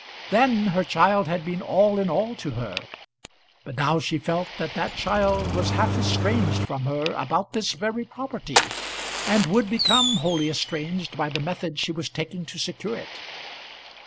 Then her child had been all in all to her; but now she felt that that child was half estranged from her about this very property, and would become wholly estranged by the method she was taking to secure it!